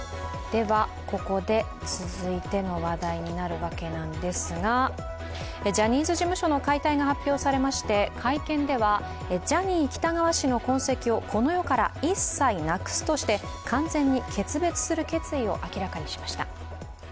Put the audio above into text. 続いての話題ですが、ジャニーズ事務所の解体が発表されまして会見ではジャニー喜多川氏の痕跡をこの世から一切なくすとして完全に決別する決意を明らかにしました。